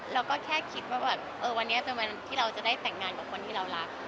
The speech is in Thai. เราก็แค่คิดว่าแบบวันนี้เป็นวันที่เราจะได้แต่งงานกับคนที่เรารัก